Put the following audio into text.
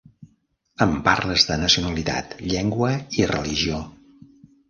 Em parles de nacionalitat, llengua i religió.